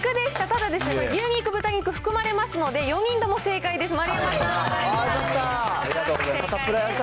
ただですね、牛肉、豚肉含まれますので、４人とも正解です。